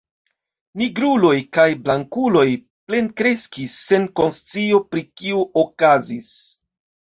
Nigruloj kaj blankuloj plenkreskis sen konscio pri kio okazis.